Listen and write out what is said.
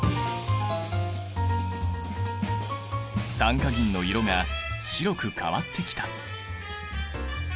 酸化銀の色が白く変わってきた。